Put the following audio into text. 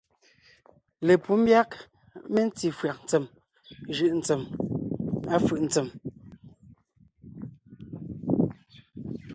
Lepǔ ḿbyág mentí fÿàg ntsèm jʉ̀’ ntsѐm, à fʉ̀’ ntsém.